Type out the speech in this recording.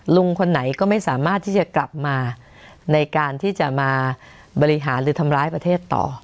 ลุงคนไหนก็ไม่สามารถที่จะกลับมาในการที่จะมาบริหารหรือทำร้ายประเทศต่อ